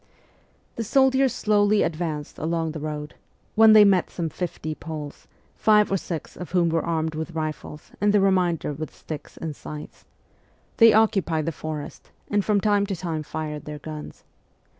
The soldiers slowly advanced along the road, when they met some fifty Poles, five or six of whom were armed with rifles and the remainder with sticks and scythes ; they occupied the forest, and from time to time fired their guns.